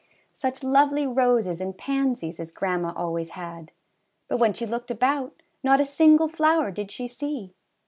Such lovely roses and pansies as grandma always had! But when she looked about, not a single flower did she see!